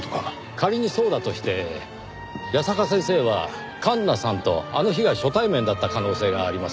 仮にそうだとして矢坂先生は環那さんとあの日が初対面だった可能性があります。